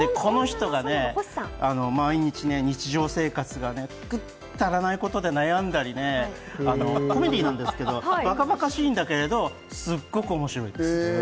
この人がね、毎日日常生活がね、くっだらないことで悩んだりね、コメディーなんですけれども、バカバカしいんだけれども、すっごく面白いんです。